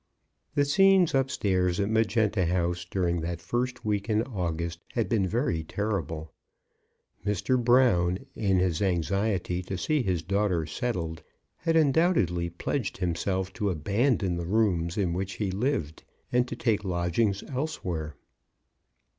The scenes upstairs at Magenta House during that first week in August had been very terrible. Mr. Brown, in his anxiety to see his daughter settled, had undoubtedly pledged himself to abandon the rooms in which he lived, and to take lodgings elsewhere.